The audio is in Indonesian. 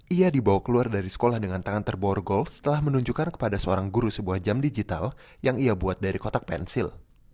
ia dibawa keluar dari sekolah dengan tangan terborgol setelah menunjukkan kepada seorang guru sebuah jam digital yang ia buat dari kotak pensil